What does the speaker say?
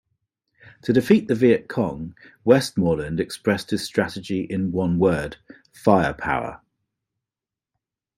To defeat the Viet Cong, Westmoreland expressed his strategy in one word: Firepower.